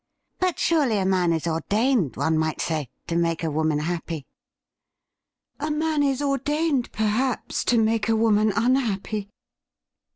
' But surely a man is ordained, one might say, to make a woman happy ?' 'A man is ordained, perhaps, to make a woman un happy.'